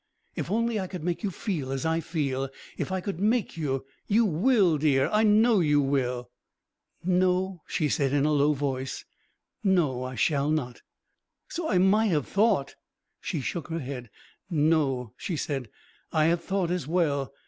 If only I could make you feel as I feel, if I could make you! You will, dear, I know you will." "No," she said in a low voice. "No, I shall not." "So I might have thought " She shook her head. "No," she said, "I have thought as well.